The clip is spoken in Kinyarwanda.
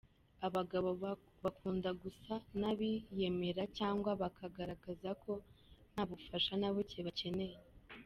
Abagabo bakunda gusa n'abiyemera cyangwa bakagaragaza ko nta bufasha na buke bakeneye.